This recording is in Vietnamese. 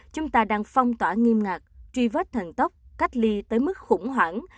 chúng ta đang phong tỏa nghiêm ngạc tri vết thần tốc cách ly tới mức khủng hoảng